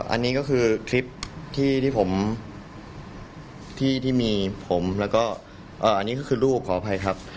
อันนี้ก็คือคลิปที่มีผมและอันนี้ก็คือรูปขอโทษนะครับ